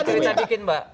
cerita dikit mbak